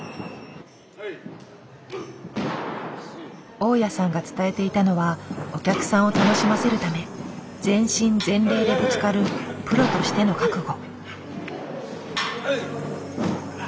大矢さんが伝えていたのはお客さんを楽しませるため全身全霊でぶつかるプロとしての覚悟。